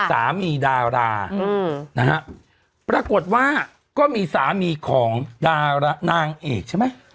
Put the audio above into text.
ดารานะฮะปรากฏว่าก็มีสามีของดารานางเอกใช่ไหม